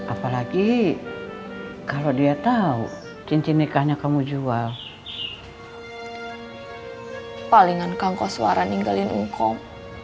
apalagi kalau dia tahu cincin nikahnya kamu jual palingan kang koswara ninggalin ungkom